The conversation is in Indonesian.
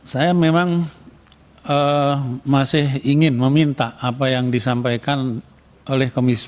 saya memang masih ingin meminta apa yang disampaikan oleh komisi